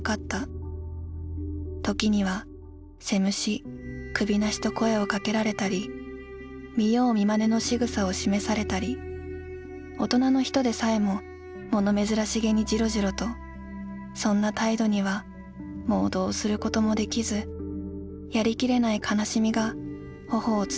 ときには“せむし”“首なし”と声をかけられたり見よう見まねのしぐさを示されたり大人の人でさえももの珍しげにじろじろとそんな態度にはもうどうすることも出来ずやり切れない悲しみがほほを伝った。